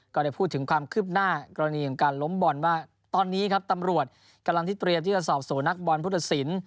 ก็ได้พูดถึงความคืบหน้ากรณีของการล้มบอลว่าตอนนี้ครับตำรวจกำลังที่เตรียมที่จะสอบสู่นักบอลผู้ตัดสิน